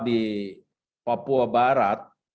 di papua barat